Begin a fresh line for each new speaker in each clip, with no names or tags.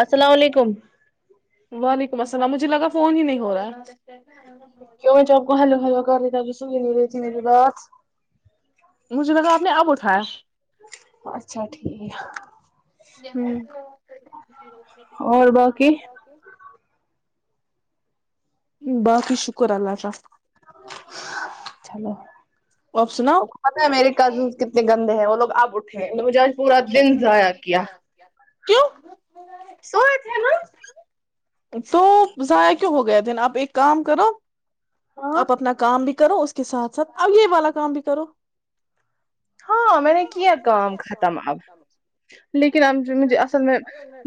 [inaudible] السلام علیکم
مسنا مجھے لگا فون ہی نہیں ہو رہا ہے
کہ جب ہلو ہل گ ابھی سو ہی نہیں رہئی تھی میرری بات
مجھے لگا آپ نے اب اٹھایا
اچھا ٹھیک ہے اور باقی
[inaudible] باقی شکر اللہ تعالفخ
چلو
آپ سناؤ
پت ہے میرے کزن کتنے گندے ہیں وہ لوگ آپ [inaudible] مجھے آج پورا دن ضائع کیا
کیو
سو آ تھ نا
تو ضائع کیوں ہو گئے تھے آپ ایک کام کرو
ہاں
آپ اپنا کام بھی کرو اس کے ساتھ ساتھ اب یہ والا کام بھی کرو
ہاں میں نے کیا
آب
کام ختم اب لیکن اب مجھے اصل میں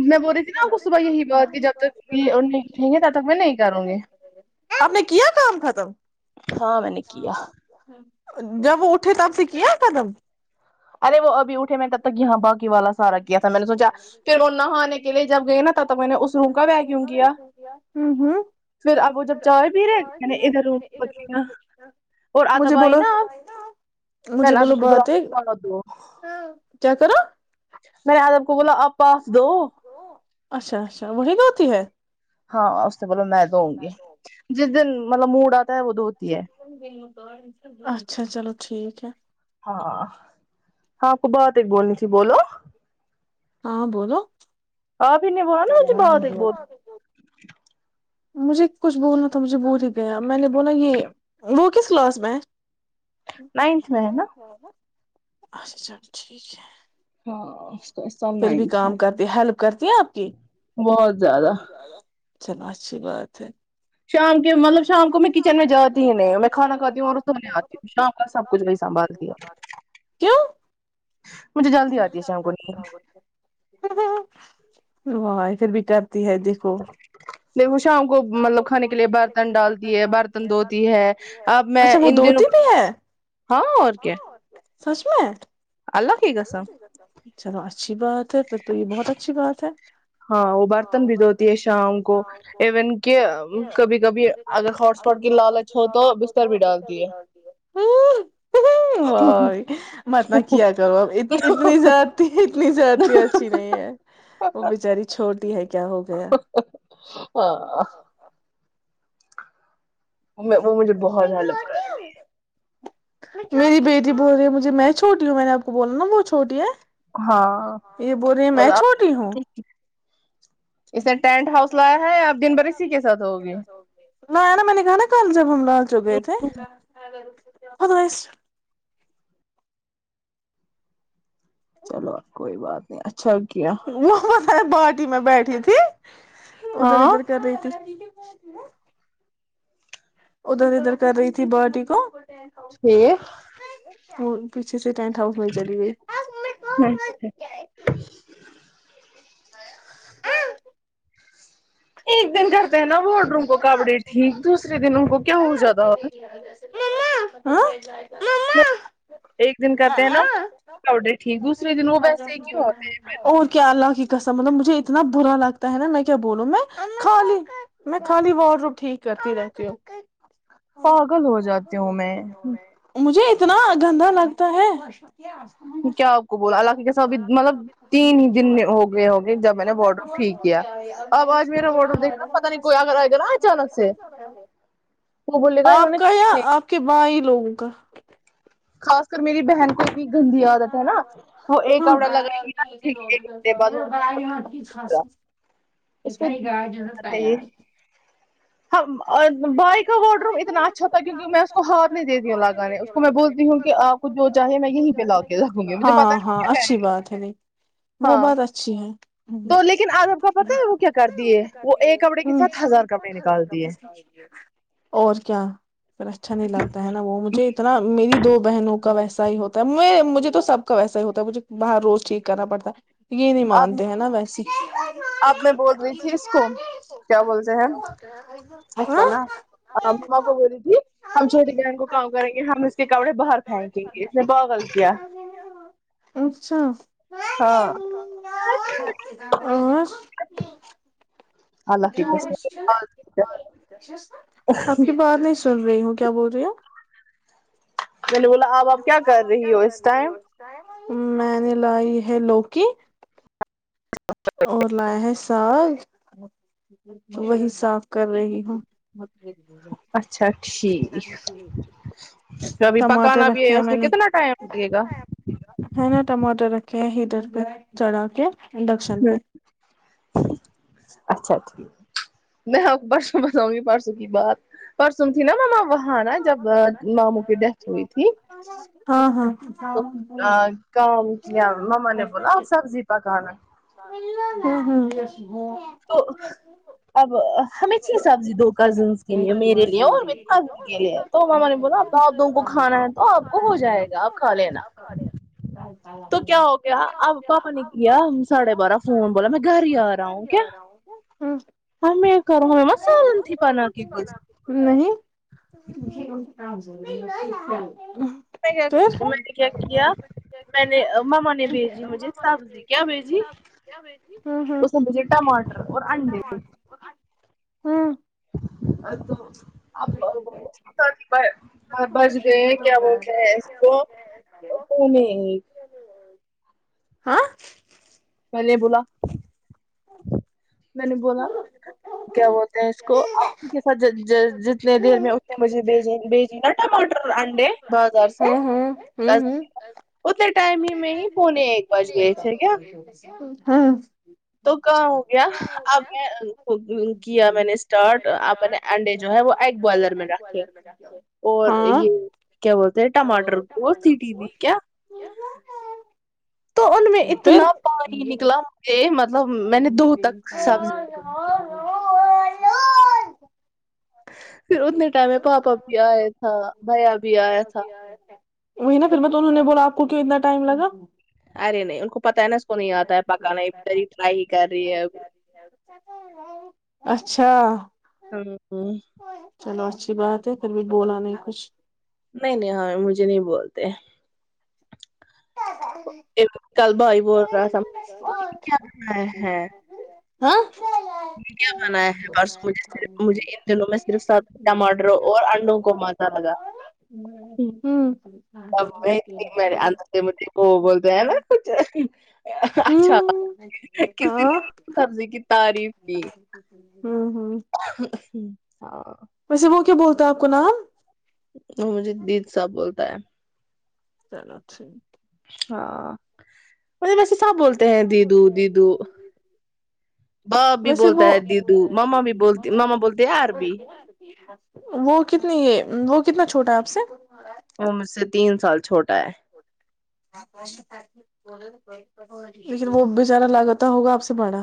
میں بول رہی تھی نا آپ کو صبح یہی بات کہ جب تک یہ نہیں اٹھیں گے تب تک میں نہیں کروں گی
میں ک کام ختم
ہاں میں نے کیا
جب وہ اٹھے تب سے کیا قدم
ارے وہ ابھی اٹھے میں نے تب تک یہاں باقی والا سارا کیا تھا میں نے سوچا پھر وہ نہانے کے لیے جب گئے نا تب تک میں نے اس روم کا و کیوں کیا
ہوں
پھر اب وہ جب چائے پی رہے میں نے ادھر ب اور
مجھے
آدب آئی
بولو
نا آپ
مجھے
پل
بولو
آدب کو بلا
بات ہے
چ دو [unintelligible]
کیا کرا
میںیاد کو بولا آپ پاس دو
اچھا اچھا وہی کہ ہوتی ہے
ہاں بولو میں تو آؤں گی جس دن مطلب موڑا ہے وہ ہے
ج ب [unintelligible] اچھا چلو ٹھیک ہے
ہاں ہاں کبات ایک بولنی تھی بولو
ہاں بولو
آپھر نے وہا نا مجھے بہت ایک بت
مجھے کچھ بولنا تھا مجھے بول گ میں نے بولا یہ وہ کس کلاس میںچ [inaudible]
نائنتھ میں ہے نا
اچا چلو ٹھیک ہے
ہ [inaudible]
پھر بھی کام کرتی ہیلپ کرتی ہیں آپ کی
بہت زیادہ
چلو اچھی بات ہے ش
شام کے مطلب شام کو میں کچن میں جاتی ہی نہیں ہوں میں کھانا کھاتی ہوں اور سونے آتی ہوں شام کا سب کچھ وہی سنبھالتی ہے مجھے جلدی آتی ہے شام کو نیند
کو و پھر بیٹا
دھو شام کو مطلب کھانے کے لیے بر برتن ڈالتی ہے برتن دھوتی ہے اب میں
اچھا وہ
ان
دھوتی
دنوں
بھی
ہاں اور کیا
سچمت
کی
اللہ
قسم
چلو اچھی بات ہے تو یہ بہت اچھی بات ہے
ہاں وہ برتن بھی دھوتی ہے شام کو ایون کہ کبھی کبھی اگر ہاٹ اسپاٹ کی لالچ ہو تو بستر بھی ڈالتی ہے
بائی میں اتنا کیا کروں اب اتنی زدی اتنی زدی اچھی نہیں ہے وہ بچاری چھوٹی ہے کیا ہو گیا
ہاں میں وہ مجھے بہت ہیلپ کر
میری بیٹی بول رہی ہے مجھے میں چھوٹی ہوں میں نے آپ کو بوللا نا بت چھوٹی ہے
ہے ہاں
یہ بول رہی ہے میں
اں
چھوٹی ہوں
اس نے ٹینٹ ہاؤس لایا ہے یا آپ دن بھر اسی کے ساتھ ہوگے
ن نا میں نے کہ نا کال جب میں بال چو گئے تھے اسر
چلو کوئی بات نہیں اچھا ہو کیایا
ارے باٹی میں بیٹھی تھی ادھر
ہاں
ادھر کر رہی ت [unintelligible] ادھر ادھر کر رہی تھی ب ٹیکو
یہ
[unintelligible] پیچھے سے ٹینٹ ہاؤس میں چلی گئی [unintelligible]
ایک دن کرتے ہیں نا بڈروں کو کپڑی ٹھیک دوسرے دن ان کو کیا ہو جاتا
م م
ایک دن کہتے ہیں نا ٹھیک دوسرے دن وہ ویسے کیوں ہوتے ہیں
سا مطلب مجھے اتنا برا لگتا ہے نا میں کیا بولوں میں خالی میں خالی وارڈ روم ٹھیک کرتی رہتی ہ
ہیں، پاگل ہو جاتی ہوں میں
مجھے اتنا گندا لگتا ہے
کیا آپ کو بولا القہ کےسا ابھی مطلب تین ہی دن ہو گئے ہو گئے جب میں نے بارڈر ٹھیک کیا اب آج میرا واڈر دیکھنا پتا نہیں کوئی اگر آئے گا نا اچانک سے وہ بولے گا انہوں
آپ کا یا
نے
آپ کے بائی لوگوں کا
خاص کر میری بہن کو
ب
اتنی گندی عادت ہے نا وہ ایک کپڑا لگائے گی نا ٹھیک ایک گھنٹے بعد
تس
اس
ت
کو
گاجی تیار
ہم اور بائی کا واڈ روم اتنا اچھا تھا کیوںکہ میں اس کو ہاتھ نہیں د دیتی ہوں لگانے اس کو میں بول کیونکہ آپ کو جو چاہیے میں یہیں پہ لا کے رکھوں گی مجھے پتا
ہاں
ہے
ہاں
کیاے
اچھی
گا
بات ہے نہیں وہ
ہاں
بات اچھی ہے
تو لیکن آج آپ کا پتا ہے وہ کیا کر دیے وہ ایک کپڑے کے ساتھ ہزار
ہ
کپڑے نکال دیے
اور کیا پھر اچھا نہیں لگتا ہے نا وہ مجھے اتنا میری دو بہنوں کا ویسا ہی ہوتا ہے مجھے تو سب کا ویسا ہی ہوتا ہے مجھے باہر روز ٹھیک کرنا پڑتا ہے یہ نہیں مانتے ہیں نا ویسی
آپ میں بول رہی تھی اس کو کیا بولتے ہیں اس
ہاں
کو نا ما کو بولتی تھی ہم چھوٹی بہن کو کام کریں گے ہم اس کے کپڑے باہر پھینکیں گے اس نے پاگل کیا
اچھا
ہاں
اور
اللہ کی قسم
آپ کی بات نہیں سن رہی ہوں کیا بول رہی آپ
میں نے بولا
ب
اب کیا
آپ
کر
آپ کیا
رہی ہو
کر
اس
رہی ہو
ٹائم
اس م میں لائی ہے لوکی اور لایا ہے ساگ وہی ساگ کر رہی ہوں
اچھا ٹھیک تو ابھی
ٹماٹر
پکانا بھی ہے
رکھے ہیں
اس
میں نے
کتنا ٹائم لگے گا
نا ٹماٹر رکھے کہ ہدھر پہ چڑا کے انڈکشن پہ
ہاں اچھا ٹھیک میں پرسوں بتااؤں گی پرسوں کی بات پرسوں تھی نا مما وہاں نا جب ماموں کی ڈیتھ ہوئی تھی
ہاں ہاں
تو کام کیا مما نے بولا آپ سبزی پکانا
ہوں ہاں
تو اب ہمیں چھی سبزی دو کزنس کے لیے میرے لیے اور م کزن کے لیے تو ما نے بولا ا آپ دونوں کو کھانا ہے تو آپ کو ہو جائے گا آپ کھا لینا تو کیا ہو گیا اب پاپا نے کیا ساڑھے بارہ فون بولا میں گھر ہی آ رہا ہوں کیا ہمیں کروں ہم سالن تھی پن کی کھ
نہیں ج [inaudible]
ان نے کیا کیا میں نے مما نے بھیجی مجھے سبزی کیا بھیجی
ہوں ہوں
اس بھیجے ٹماٹر اور انڈے
ہاں
ا توم
اچ
بچ
ٹھیک ج
گئے
نگ
کیا
گ
بولتے ہیں اس کو پونے
ہاں
میں بولا میں نے بولا کیا بولتے ہیں اس کو کے ساتھ جتنے دیر میں اتنے بجے بھیجی نا ٹماٹر انڈے بازار
ہوں
سے
ہوں ہوں
اتنے ٹائم ہی میں ہی پونے ایک بج گئے تھے کیا
ہاں
تو کہاں ہو گیا کیا میں نے اسٹارٹنے انڈے جو ہے وہ ایگ بوائلر میں رکھے اور
ہاں
یہ کیا بولتے ہیں ٹماٹر کو سیٹی دی کیا تو ان میں
پھر
اتنا نہیں نکلا مجھے مطلب میں نے دو تک سبز پھر اتنے ٹائم میں پاپا بھی آیا تھا بھیا بھی آیا تھا
وہی نا پھر میں انہوں نے بولا آ کو کیوں اتناٹائمگا
ارے نہیں ان کو پتہ ہے نا اس کو نہیں آتا ہے پکاناری ٹرائی ہی کر رہی ہے
اچھا
ہاں
چلو اچھی بات ہے پھر بھی بولا نہیں کچھ
نہیں نہیں ہاں مجھے نہیں بولتے کل بائی بولا س ہ
ہاں
کیا بنایا ہے پرسوں مجھےف مجھے ان دنوں میں صرف س ٹماٹر اور انڈوں کو مزہ لگا
ہوں
اب وہ ت میرےدر مھے پھو بولتے ہیں ہے نا کچھ اچھا
ہوں
کس
ہاں
د سبزی تعریف کی
ہوں ہوں
ا [inaudible]
ویسے وہ کیا بولتا ہے آپ کو نام
وہ مجھے دید صاح بولتے [unintelligible]
چل اچھھی
ہاں مے ویسے سب بولتے ہیں دیدو دیدو باپ بھی
ویسے
بولتا ہے
وہ
دیدو ماما بھی بول ماما بولتے ہیں یار بھی
وہ کتنی یہ وہ کتنا چھوٹا ہے آپ سے
وہ مجھ سے تین سال چوٹا تا [inaudible]
لیکن وہ بچارا لاگتا ہوگا آپ سے باڑا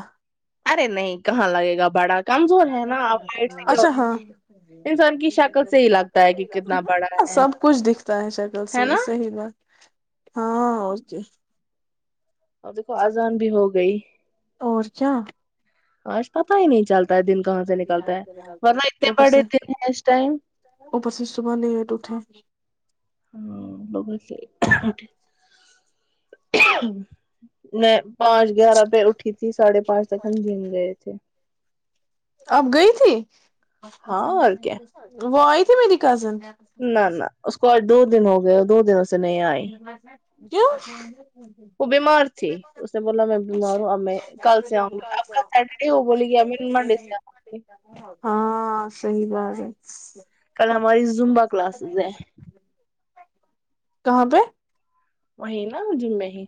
ارے نہیں کہاں لگے گا بڑا کمزور ہے نا آپ ہائٹ سے کیا
اچھا
ہوتا
ہاں
ہے، انسان کی شکل سے ہی لگتا ہے کہ کتنا بڑا ہے
سب کچھ دکھتا ہے شکل
ہے
صی
نا
صحیح بات ہاں ہو جی
اور دیکھو آزان بھی ہو گئی
اورورچا
آج پت ہی نہیں چلتا ہے دن
ا
کہاں سے نکلتا ہے ورنہ اتنے
پرس
بڑے دن ہیں اس ٹائم
ا پر سے صبح لٹ اٹھا
ہاں بگس کیا میں پانچ گیارہ پہ اٹھی تھی ساڑھے پانچ تک ہم جم گئے تھے
اب گئی تھی
ہاں اور کیا
وہ آئی ت میری کزن
نہ نہ اس کو آج دو دن ہو گیا دو دن
وں
وہ بیمار تھی اس نے بولا میں بیمار ہوں اب میں کل سے آؤں گی اب کل سیٹرڈے وہ بولے گی اب میں منڈے سے آؤں گی
ہاں صحی بات جی
کل ہماری زمبہ کلاسز ہیں
کہاں پہ
وہینا ج میںہ ہی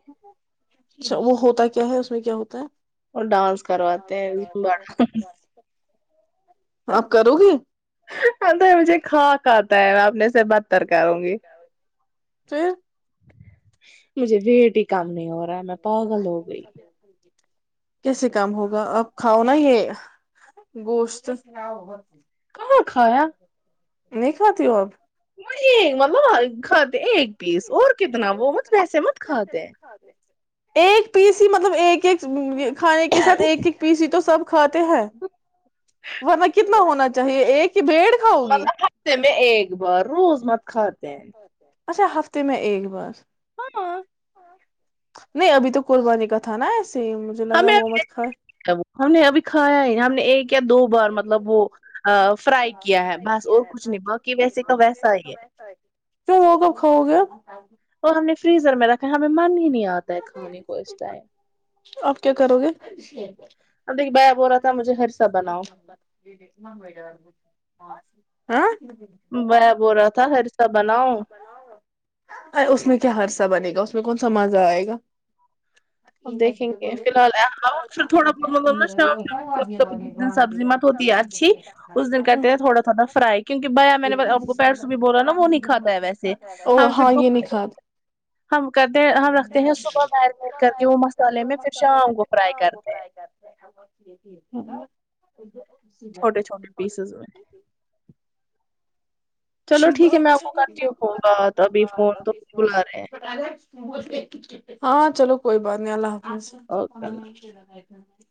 اچھا وہ ہوتا کیا ہے اس میں کیا ہوتا ہے
اور ڈانس کرواتے ہیں ب
آپ کرو گے
ہ تو مجھے کااک آتا ہے میں اپنے سے بدتر کروں گی
تو
مجھے وٹ ہی کام نہیں ہو رہا ہے میں پاگل ہو گئی
کیسے کام ہوگا آپ کھاؤ نا یہ گوشت
کہاں کھایا
نہیں خاتتی ہوب
ایک مطلب خط ایک پیس اور کتنا وہ مت ویسے مت کھاتے ہیں
ایک پیس ہی مطلب ایک ایک کھانے کے ساتھ ایک ایک پیسی تو سب کھاات ہیں ورنہ کتنا ہونا چاہیے ایک ہی بھیڑ کھاؤ گی
مطلب ہفتے میں ایک بار روز مت کھاتے ہیں
اچھ ہف تو میں ایگ بد
ہ
نہیں ابھی تو قربانی کا تھا نا ایسے ہی مجھے لگا
ہمیں
وہ مت کھائے
ہم نے ابھی کھایا ہی ہم نے ایک یا دو بار مطلب وہ فرائی کیا ہے بس اور کچھ نہیں باقی ویسے کا ویسا ہی ہے
کیوں وہ کب کھاؤ گے
وہ ہم نے فریزر میں رکھا ہے ہمیں من ہی نہیں ہے آتا ہے کھانے کو اس ٹائم
آپ کیا کرو گے
اب دیکھی بی ہو رہا تھا مجھےر
آ کیا مگ و ج ہ آاں
وہ بول رہا تھا ہرسا بناؤ
اس میں کیا ہرسہ بنے گا اس میں کون سا مزا آئے گا
اب دیکھیں گے فی الحال پھر تھوڑا بہت مطلب نا شام ش د سبزی مت ہوتی ہے اچھی اس دن کرتے ہیں تھوڑا تھوڑا فرائی کیونکہ بیا میں نے آ کو پیر بھی بولا نا وہ نہیں کھاتا ہے ویسے
او
ہم پھر
ہاں یہ نہیں کھاتے
ہم کرتے ہیں ہم رکھتے ہیں صبح کر کے وہ مسالے
وہ
میں پھر
مسالے میں
شام
پ
کو فرائی
کیاگ
کرتے ہیں
فرائی کرتے ہیں ہ ج جو
چھوٹے چھوٹے پیسز میں چلو ٹھیک ہے میں آپ
شبندر
کو کرتی ہوں فون بات ابھی
ہوگا
فون تو بلا رہے ہیں
ہاں چلو کوئی بات نہیں اللہ آ
اوکے اللہ
ما [unintelligible]